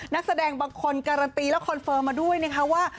นักแสดงบางคนการันตีและคอนเฟิร์มมาด้วยนะคะว่า